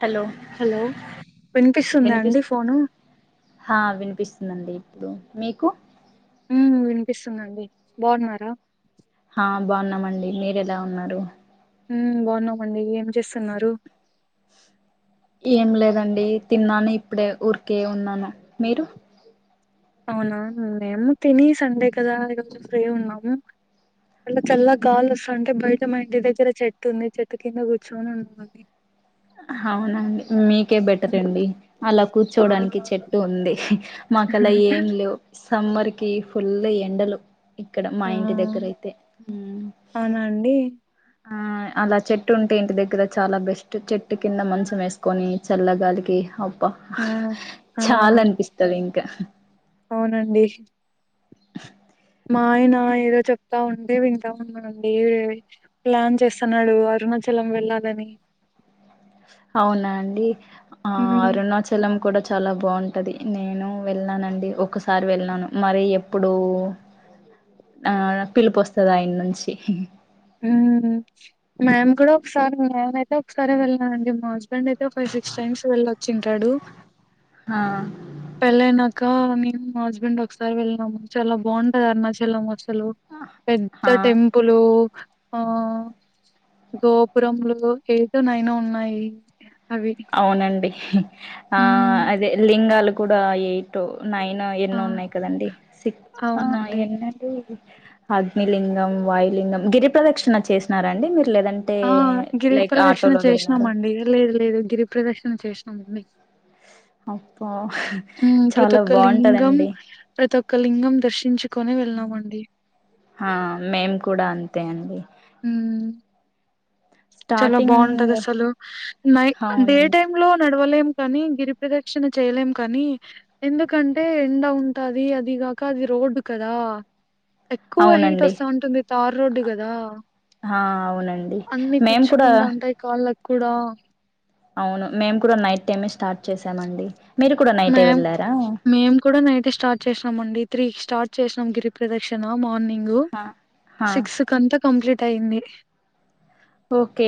Hello hello వినిపిస్తుందా అండి phone వినిపిస్తుందిండి ఇప్పుడు మీకు వినిపిస్తుందండి బాగున్నారా ఆ బాగున్నామండి మీరు ఎలా ఉన్నారు బాగున్నామండి ఏం చేస్తున్నారు ఏం లేదండి తిన్నాను ఇప్పుడే ఊరికే ఉన్నాను మీరు అవునా మేము తిని సండే కదా ఈ రజు ఫ్రీ ఉన్నాము అట్లా చల్ల కాగాలు వస్త అంటే బయట మా ఇంటి దగ్గర చెట్టు ఉంది చెట్టు కింద కూర్చొని అనుకోాలి అవునండి మీకే బెటర్ అండి అలా కూర్చోడానికి చెట్టు ఉంది మాకు అలా ఏం లేవు సమ్మర్ కి కుల్ళ ఎండలు ఇక్కడ మా ఆ ఇంటి దగ్గర అయితే అవునా అండి ఆ అలా చెట్టు ఉంటే ఇంటి దగ్గర చాలా బెస్ట్ చెట్టు కింద మంచం వేసుకొని చల్లగాలికి అబ్బ ఆ ఆ చాలనిపిస్తది ఇంకా అవునండి [unintelligible] మా ఆయన ఏదో చెప్తా ఉంటారు [unintelligible] ఇంతా ఉండి ప్లాన్ చేస్తున్నాడు అరుణాచలం వెళ్ళాలని. [inaudible] అవునా అండి ఆహ్ ఉమ్ అరుణాచలం కూడ చాలా బాగుంటది నేను వెళ్లినానండి ఒకసారి వెళ్లినాను మరి ఎప్పుడు ఆహ్ పిలుపు వస్తది ఆయన నుంచి. ఉమ్మ్ మేం కూడా ఒకసారి మేమ్ ఐతే ఒకసారి వెళ్ళినామండి మా హస్బెండ్ అయితే. సిక్స్ టైమ్స్ వెళ్ళివచ్చిఉంటాడు. ఆహ్ పెళ్ళైనాక నేను మా హస్బెండ్ ఒకసారి వెళ్లినాము చాలా బాగుంటది అరుణాచలం. అసలు ఆ పెద్ద టెంపులూ ఆహ్ గోపురంలు ఎయిటో నైనో ఉన్నాయి. అవి అవునండి ఆహ్ ఉమ్ అదే లింగాల కూడా ఎయిటో. నైన్ ఆ ఎన్నో ఉన్నాయి కదండి సిక్ ఆహ్ అవునండి ఎన్నండి. అగ్నిలింగం వాయులింగం గిరి ప్రదక్షణ చేసినారండి మీరు లేదంటే ఆహ్ లైక్ గిరిప్రదక్షన ఆటోలో వెళ్ళారా చేసినామండి లేదు లేదు గిరి. ప్రదక్షిన చేసినామండి. అప్పా ఉమ్ ప్రతి ఒక్క లింగం ప్రతి ఒక్క లింగం దర్శించుకోని వెళ్లినామండి. ఆ మేము కూడా అంతే అండి ఉమ్మ్ చలొ స్టార్టింగ్ బాగుంటది అసలు నై డే అవునండి టైమ్ లో నడవలేం. కాని గిరి ప్రదక్షన చేయలేం కానీ ఎందుకంటే ఎండ ఉంటది అది గాక. రోడ్డు కదా ఎక్కువ హీట్ అవునండి వస్త ఉంటుంది తారు రోడ్డు గదా. ఆహ్ అవునండి. మేము కూడా గుచ్చుకుండా ఉంటాయి కాళ్ళక్ కూడా అవును మేం కూడ నైట్ టైమే స్టార్ట్ చేసామండి. మీరు కూడా నైటే మేం వెళ్ళారా మేము కూడా నైటే స్టార్ట్ చేసామండి. త్రీ కి స్టార్ట్ చేసినాం గిరి ప్రదక్షణ మార్నింగు ఆ సిక్స్ కంత కంప్లీట్. అయింది ఓకే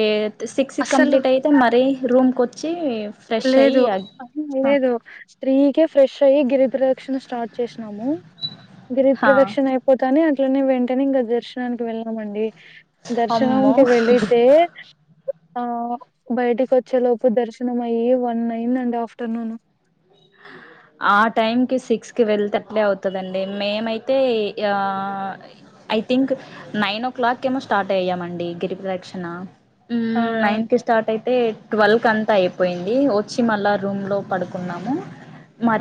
సిక్స్ కి అస్సలు కంప్లీట్ ఐతే మరి రూమ్. లేదు లేదు త్రీ కె ఫ్రెష్ అయి గిరిప్రదక్షణ స్టార్ట్ చేసినాము గిరి హ ప్రదక్షణ ఇపోతానే వెంటనే వెంటనే ఇంగ దర్శనానికి వెళ్లినామండి అమ్మో దర్శనానికి వెళ్లితే. ఆ బైటకి వచ్చే లోపు దర్శనం అయ్యి వన్ అయింది అండి ఆఫ్టర్నూను [inaudible] ఆ టైమ్ కి సిక్స్ కి వెళ్తే అట్లే అవుతదండి మేం ఐతే ఆహ్ ఐ థింక్ నైనో క్లాక్ ఏమో స్టార్ట్ అయ్యామండి గిరిప్రదక్షణ. ఆ ఉమ్మ్ నైన్ కి స్టార్ట్ ఐతే టువెల్వ్. కంత ఐపోయింది వచ్చి మళ్ళా రూమ్ లో పడుకున్నాము.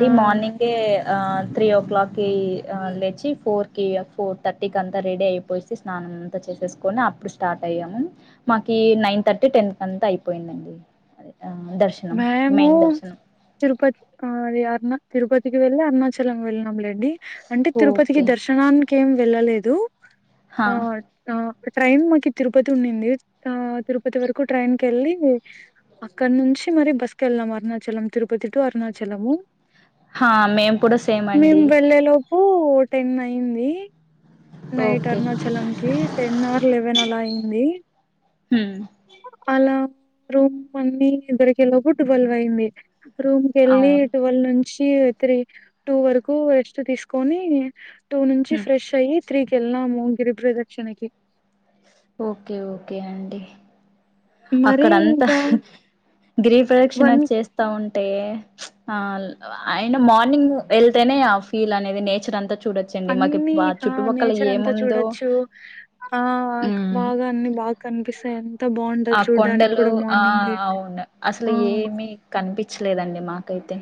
ఆ మార్నింగే ఆహ్ త్రీ ఓ క్లాక్ కి ఆహ్ లేచి ఫోర్ కి ఫోర్ థర్టీకి అంతా రెడీ అయిపోయేసి స్నానం అంతా చేసి చెసేస్ కొని అప్పుడు స్టార్ట్ అయ్యాము మాకి నైన్ థర్టీ టెన్ కి అంతా అయిపోయిందండి అది. మేమూ తిరుపతి అహ్ తిరుపతికి వెళ్ళి అరుణాచలం వెళ్ళినం లేం డి అంటే తిరుపతికి ఓకే దర్శనానికి ఏం వెళ్ళలేదు. హా ఆ ఆ ట్రైన్ మాకి తిరుపతి ఉన్నింది అహ్ తిరుపతి వరకు ట్రైన్ కెళ్ళి అక్కడ నుంచి మరీ బస్ కెళ్ళాం అరుణాచలం తిరుపతి టు అరుణాచలము. హా మేము కూడా సేమ్ మేం అండి వెళ్ళే లోపూ. ఫోర్ టెన్ అయిందీ నైట్ ఓకే అరుణాచలం కి టెన్ ఆర్ లెవెన్ అల అయి యింది హ్మ అలా రూమ్ అన్ని దొరికేలోపు ట్వెల్వ్ అయింది రూమ్ కెళ్ళి అవును ట్వెల్వ్ నుంచి త్రీ టూ వరకు రెస్ట్ తీసుకొని టూ నుంచి హ్మ్ ఫ్రెష్ అయ్యి త్రీ కెళ్ళినము గిరి ప్రదక్షణ కి ఓకే ఓకే అండి మరి అక్కడ ఇంకా అంతాహ్ గిరిపదక్షణ వన్ చేస్తా ఉం టే ఆ అయిన మార్నింగ్ వెళ్తేనే ఆ ఫీల్ అనేది నేచర్ అంతా చూడొచ్చండి మాకి అన్ని బా ఆ చుట్టుపక్కల నేచర్ అంతా ఏముందో చూడొచ్చు ఆ హ్మ్ బాగా అన్ని బాగ్ కనిపిస్తే ఎంత బంట్ ఆ కొండలు ఆ అవును అసలు ఆ ఏమి కనిపించలేదండి మాకైతే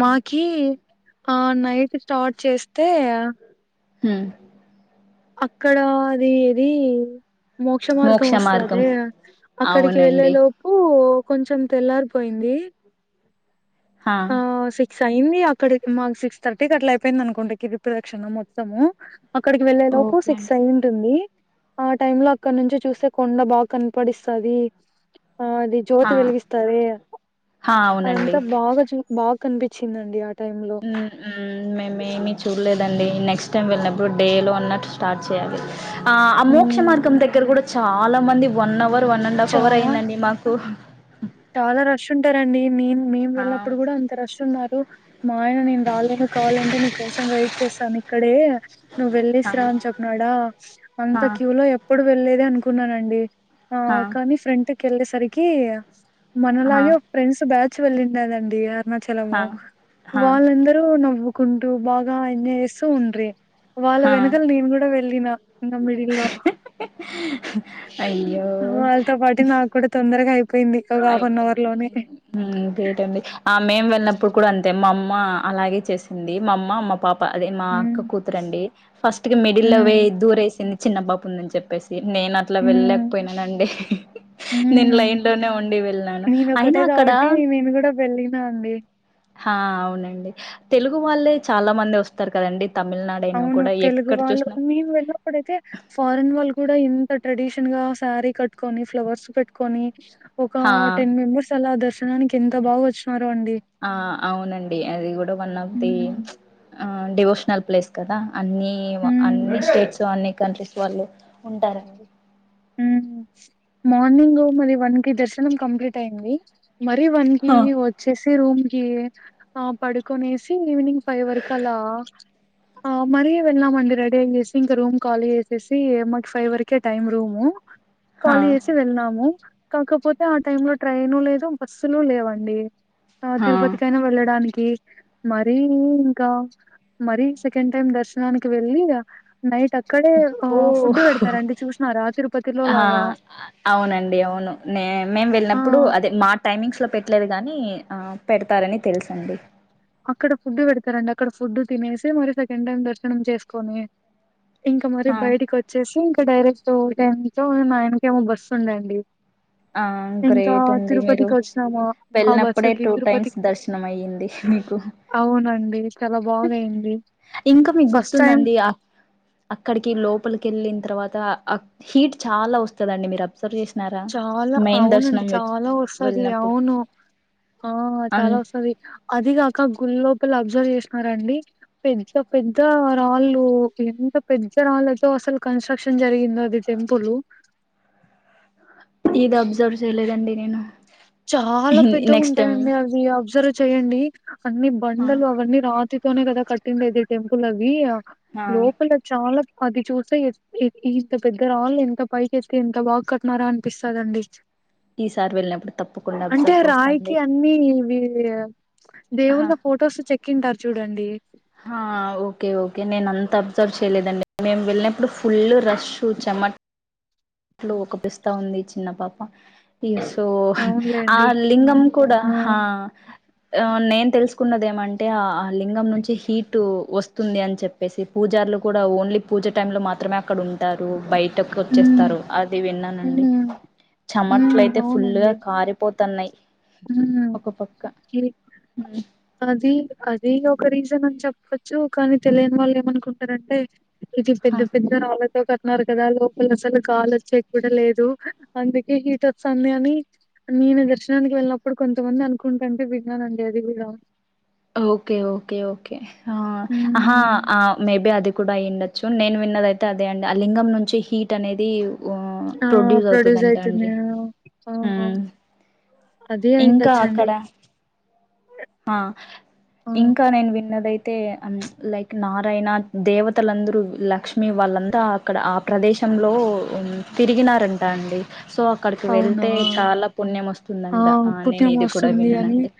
మాకీ ఆ నైట్ స్టర్ట్ చేస్తే హ్మ అక్కడ అది ఏది మోక్ష మార్గం వస్తాదె అక్కడికి వెళ్ళే అవునండి లోపు కొంచెం తెల్లారిపోయింది హా క్స్ అయింది అక్కడికి మాకు సిక్స్ థర్టీకి అట్లా అయిపోయింది అనుకుంట గిరి ప్రదక్షిణం మొత్తము అక్కడికి వెళ్ళే లోపు ఓకే సిక్స్ అండి అయి ఉంటుంది ది ఆ టైం లో అక్కడ నుంచి చూస్తే కొండ బాగా కనపడిస్తాది ఆ అది హా జ్యోతి వెలుగిస్తారె హా అవునండి అదంతా బాగ చు బాగ్ కనిపించిందండి ఆ హ్మ హ్మ మేమ ఏమీ చూడలేదండి నెక్స్ట్ టైం వెళ్ళినప్ డే లో అన్నట్టు స్టార్ట్ చేయాలి ఆ ఆ మోక్ష మార్గం దగ్గర కూడా చాలా మంది one hour one and half hour చాలా అయిందండి మాకు చాలా రష్ ఉంటారండి మేం మేము ఆ వెళ్ళప్పుడు కూడా అంత రష్ ఉన్నారు మా ఆయన నేను రాలేను కావాలంటే నీకోసం వెయిట్ చేస్తాను ఇక్కడే నువ్వు హా వెళ్ళేశ్ర అని చెప్పినాడా హా అంత క్యూ లో ఎప్పుడు వెళ్లేేది అనుకున్నానండి ఆ హా కానీ ఫ్రంట్ కెళ్ళేసరికి హా మనలాగే ఒక ఫ్రెండ్స్ బ్యాచ్ చ్చివెళ్లినారండి అరుణాచలము హా హా వాళ్ళందరూ నవ్వుక్ కుంటూ బాగా ఎంజాయ్ చేస్తూ ఉండ్రి వాళ్ళ హా వెనకల నేను కూడా వెళ్ళిన నమ్మిడిలో అయ్యో వాళ్ళతో పాటు నాకు కూడా తొందరగా అయి అయిపోయింది ఇంకేటండి ఆ మేం వెళ్ళినప్పుడు కూడా అంతే మా అమ్ మ్మ అలాగే చేసింది మా అమ్మ మా పాప్ ఆ అదే మా ఉమ్ అక్క కూతురండి ఫస్ట్ కి మిడిల్ లో ఉమ్ పొయి దూరేసింది చిన్నపాప ఉందని చెప్పేసి నేను అట్లా హ్మ్. వెళ్ళలేకపోయినానండి హ్మ్. నేను లైన్ న్ లోనే ఉండి వెళ్లాను నేనొకటే అయినా అక్కడ కాబట్టి నేను గూడా వెళ్ళినా అండి. హా అవునండి తెలుగు వాళ్ళే చాలా మంది వస్తారు కదండి తమిళనాడైనా అవును కూడా తెలుగు ఎక్కడ వాళ్ళు చూసినా మేము వెళ్ళినప్పుడైతే ఫారెన్ వాళ్ళు కూడా ఇంత ట్రెడిషన్ గా శారీ కట్టుకొని ఫ్లవర్స్ పెట్టుకొని ఒక హా టెన్ మెంబర్స్ అలా దర్శ నానికి ఎంత బాగా వచ్నారు ఆ అవునండి అది కూడా వన్ ఆఫ్ ది హ్మ్. ఆ డివోషనల్ ప్లేస్ కదా అన్ని అన్ని హ్మ్. స్టేట్స్ అన్ని కంట్రీస్ వాళ్ళు ఉంటారండి హ్మ మార్నింగ్ మరి వన్కి దర్శనం కంప్లీట్ అయింది మరి వన్కి హా వచ్చేసి రూమ్ కి ఆ పడుకొనేసి ఈవినింగ్ ఫై వరకు అలా మరీ వెళ్ళామండి రెడీ అయ్యేసి ఇంక రూమ్ ఖాళీ చేసేసి మకి ఫైవ్ వరకే టైమ్ రూమ్ హా కాలి చేసి వెళ్నాము కాకపోతే ఆ టైమ్ లో ట్రైను లేదు బస్సులు లేవండి ఆ హా తిరుపతికైనా వెళ్ళడానికి మరీ ఇంక మరీ సెకండ్ టైమ్ దర్శనానికి వెళ్ళి నైట్ అ ఇక్కడే ఆ ఓ ఫుడ్ పెడతారండి చూసినా రా ఆ అవునండి అవును న మేము ఆ వెళ్ళినప్పుడు అదే మా టైమింగ్స్ లో పెట్లేదు గాని ఆ పెడతారని తెలుసండి అక్కడ ఫుడ్ పెడతారండి అక్కడ ఫుడ్ తినేసి మరి సెకండ్ టైం దర్శనం చేసుకొని ఇంకా మరి ఆ బయటకి వచ్చేసి ఇంకా డైరెక్ట్ టై తెలుగు నైన్కు ఏమో బస్ ఉండండి ఆ ఇంకా గ్రేట్ అండి మీరు తిరుపతికి వచ్చినామా ఆ వెళ్ళినప్పుడే బస్సుకి టూ టైమ్స్ తిరుపతికి దర్శనం అయ్యింది మీకు అవునండి చాలా బాగాయింది ఇంకా మీకు ఫస్ట్ టైం గుర్తుందండి ఆ అక్కడికి లోపలిక వెళ్ళిన తర్వాత హీట్ చాలా వస్తుదండి మీరు అబ్సర్వ్ చేసినారా చాలా మెయిన్ అవునండి దర్శనం వె చాలా వస్తుది వెళ్ళినప్పుడు అవును ఆ అం చాలా వస్తుంది అదిగాక గుల్లో అబ్జర్వ్ చేసినారండి పెద్ద పెద్ద రాళ్ళు ఎంత పెద్ద రాళ్ళు అయితే అసలు కన్స్ట్రక్షన్ జరిగింది అది టెంపుల్ ఇది అబ్సర్వ్ చేయలేదండి నేను చాలా పెద్దగా నెక్స్ట్ టైం ఉంటాయండి అవి అబ్జర్వ్ చేయయండి అన్ని ఆ బండలు అవన్నీ రా ష్టితోనే కదా కట్టిండేది టెంపుల్ అవి ఆ లోపల చాలా అది చూస్తే ఇంత పెద్ద రాళ్ళు ఎంత పైకి ఎత్తే ఎంత బాగా కట్టినారా అనిపిస్తదండి ఈ సార్ వెళ్ళ అంటే రాయికి అన్ని హా దేవున్న ఫొటోస్ చెక్ చెక్కింటారు చూడండి ఓకే ఓకే నేను అంత అబ్జర్వ్ చేయలేదండి మేము వెళ్ళినప్పుడు ఫుల్ రష్ చ నమ ఇట్లో ఒక పిస్తా ఉంది చిన్న పాప ఈ సో ఆ అవునులేండి లింగం కూడా ఆ ఆ నేను తెలుసుకున్నద ఏమంటే ఆ లింగం నుంచి హీట్ వస్తుంది అని చెప్పేసి పూజ లు కూడా ఓన్లీ పూజ టైమ్ లో మాత్రమే అక్కడ ఉంటారు బయట వచ్చేస్త హ్మ్ స్తారు అది విన్నానండి హ్మ్ చెమట్లు హ్మ్ అయితే ఫుల్గా కారిపోతున్నాయి ఒక పక్క ఏ అది అది ఒక రీజన్ అని చెప్పచ్చు కానీ తెలియని వాళ్ళు ఏమనుకుంటారంటే ఇది పెద్ద హ పెద్ద వాళ్ళతో క న్నారు కదా లోపల అసలు గాలి వచ్చేటట్లు కూడా లేదు అందుకే హీటర్స్ అంది అని నేను దర్శనానికి వెళ్ళినప్పుడు కొంతమంది అనుకుంటుంటే విన్నానండి అది కూడా ఓకే ఓకే ఓకేహా హ్మ్. మేబి అది కూడాయయి ఉండొచ్చు నేను విన్నదైతే అదే అండి ఆ లింగం నుంచి హీట్ అనేది ఆ! ప్రొడ్యూస్ అవుతుందింటా అయితుంది. అండి ఆ! అదే ఇంకా అయిండొచ్చండి. అక్కడ ఆ ఆ! ఇంకా నేను విన్నదైతే లైక్ నారాయణ దేవతలందరూ లక్ష్మి వళ్ళ అంతా అక్కడ ఆ ప్రదేశంలో తిరిగినారంటా అండి సో అక్కడికి అవునా! వెళ్తే చాలా పుణ్యం వస్తుందం ఆ నేను ఇది కూడా పుణ్యమొస్తుంది అని విన్నానండి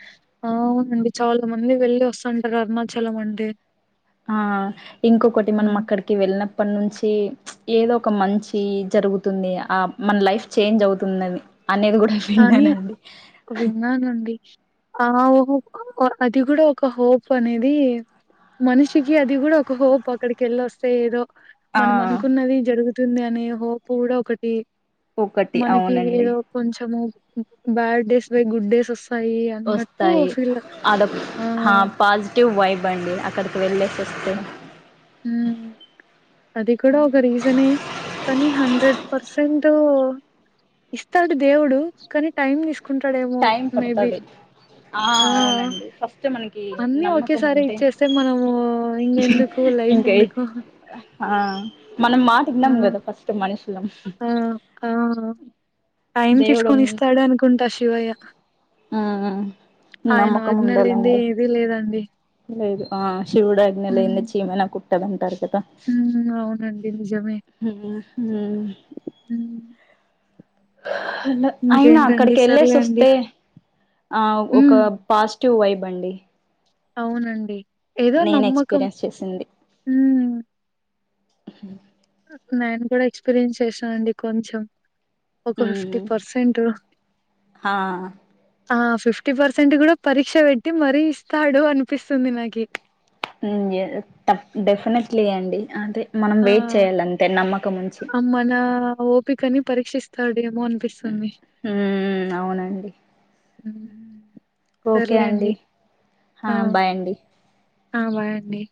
ఆ! అవునండి చాలా మంది వెళ్ళి వస్తుంటారు అరుణాచలం అండి ఆ ఇంకొకటి మనం అక్కడికి వెళ్ళిన అప్పటి నుంచి ఏదో ఒక మంచి జరుగుతుంది ఆ మన లైఫ్ చేంజ్ అవుతుందిది అనేది కూడా కానీ విన్నానండి ఆఓహో అది కూడా ఒక హోప్ అనేది మనిషికి అది కూడా ఒక హోప్ అక్కడికిెళ్ళ వస్తే ఏదో ఆ! మనం అనుకున్నది జరుగుతుంది అనే హోప్ కూడా ఒకటి ఒకటి మనకి అవునండి. ఏదో కొంచము bad days by good days వస్త వస్తాయి అదొ ఆ పాజిటివ్ వైబ్ అండి అక్కడ వెలిసివస్తే ఉ అది కూడా ఒక రీజనే కానీ హండ్రెడ్ పర్సెంట్ ఇస్తాడు దేవుడు కానీ టైం తీసు టైం పడతాది ఆ అవునండి ఫస్ట్ మనకి అన్ని నమ్మకం ఒకేసారి ఉంటే ఇచ్చేస్తే మనము ఇంకెందుకు లైఫ్ ఇంకే ఎందుకు ఆ మనం మాటవినాం ఆ కదా ఫస్ట్ మనిషి ఆ ఆ టైం దేవుడు తీసుకొని ఉన్ ఇస్తాడు అనుకుంటా శివయ్య ఆ! ఆయన నమ్మకం ఆజ్ఞ లేంది ఉండాలండి. ఏది లేదండి లేదు ఆ శివుడు ఉమ్ ఆజ్ఞలేందే చీమైనా కుట్టాదాంటారు కదా ఉమ్ అవునండి నిజమే ఇంకా ఉ హు ఉమ్ అయినా ఇంకేంటండి అక్కడికి సర్లే వెళ్ళేసి అండి వస్తే ఆ ఒక ఉమ్ పాస్ట్ పాజిటివ్ వైబ్ అండి అవునండి ఏదో నేను నమ్మకం ఎక్స్పీరియన్స్ ఉ హ నేను కూడా ఎక్స్పీరియన్స్ చేసానండి కొంచెం ఒక ఫిఫ్టీ ఉమ్ పర్సెంట్ ఆ ఆ ఫిఫ్టీ పర్సెంట్ కూడా పరీక్ష పెట్టి మరీ ఇస్తాడు అనిపిస్తుంది నాకి ఉ ఎ తప్ డెఫినెట్లీ అండి అంతే మనం ఆ వెయిట్ చేయాలి అంతే నమ్మకం ఉంచి ఆహ్, మన ఓపికని పరీక్షిస్తాడు ఏమోన్పిస్తుంది ఉమ్ అవునండి ఓకే అండి సర్లెండి ఆ బాయ్ అండి ఆ బాయండి